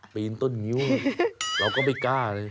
ปีนต้นงิ้วเราก็ไม่กล้าเลย